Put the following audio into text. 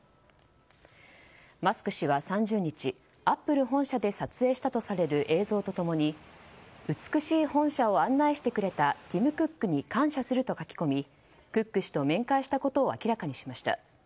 マスク氏は３０日アップル本社で撮影したとされる映像と共に美しい本社を案内してくれたティム・クックに感謝すると書き込みクック氏と面会したことを明らかにしました。